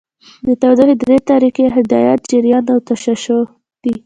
د تودوخې درې طریقې هدایت، جریان او تشعشع دي.